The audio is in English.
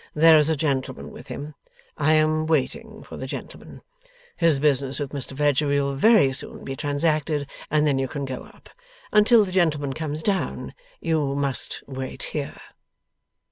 There is a gentleman with him. I am waiting for the gentleman. His business with Mr Fledgeby will very soon be transacted, and then you can go up. Until the gentleman comes down, you must wait here.